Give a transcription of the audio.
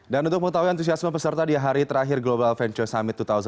dan untuk mengetahui antusiasme peserta di hari terakhir global venture summit dua ribu sembilan belas